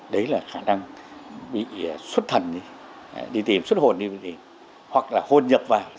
đấy là khả năng bị xuất thần đi tìm xuất hồn đi tìm hoặc là hồn nhập vào